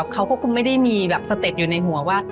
เขาก็ไม่ได้มีวางใจอยู่ในหัวว่า